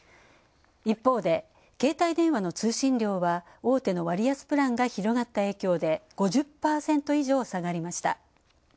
一方で携帯電話の通信料は大手の割安プランが広がった影響で５０％以上、下がりました。